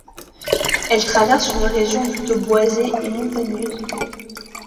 Elle traverse une région plutôt boisée et montagneuse.